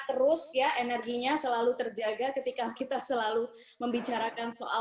terus ya energinya selalu terjaga ketika kita selalu membicarakanisa selama sama yaouh